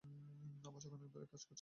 বছরখানেক ধরে কাজ করেছি আমরা!